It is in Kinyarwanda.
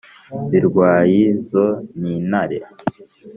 Zirarway'izo n'intare